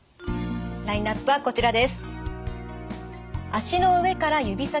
ラインナップはこちらです。